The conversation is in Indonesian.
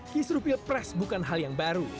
kisru pilpres bukan hal yang baru